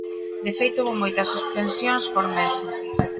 De feito, houbo moitas suspensións por meses.